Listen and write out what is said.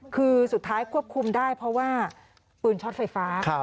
คือสุดท้ายควบคุมได้เพราะว่าปืนช็อตไฟฟ้า